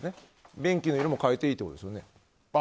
便器の色も変えていいということですね。